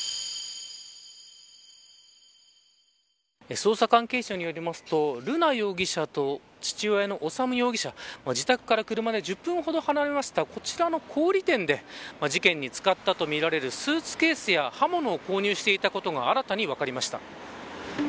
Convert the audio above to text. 捜査関係者によりますと瑠奈容疑者と父親の修容疑者自宅から車で１０分ほど離れたこちらの小売店で実験に使ったとみられるスーツケースや刃物を購入していたことが新たに分かりました。